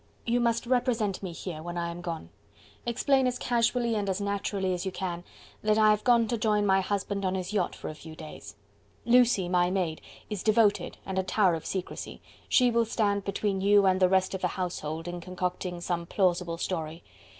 "You must represent me, here, when I am gone: explain as casually and as naturally as you can, that I have gone to join my husband on his yacht for a few days. Lucie, my maid, is devoted and a tower of secrecy; she will stand between you and the rest of the household, in concocting some plausible story.